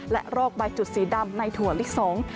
และโรคใบจุดสีดำในถั่วลิกสงฆ์